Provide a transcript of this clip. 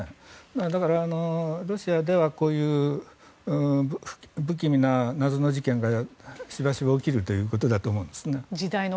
だから、ロシアではこういう不気味な謎の事件がしばしば起きるということだと思うんですね。